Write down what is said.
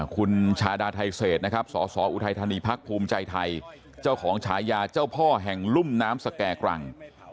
คุณชาดาไทเศษสอุทัยธานีพคุมใจไทเจ้าของชายาเจ้าพ่อแห่งลุ่มน้ำสแก่กลัง